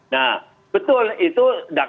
nah betul itu